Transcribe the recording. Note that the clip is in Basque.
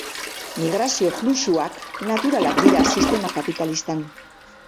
Migrazio fluxuak naturalak dira sistema kapitalistan.